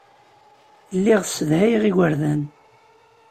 Lliɣ ssedhayeɣ igerdan.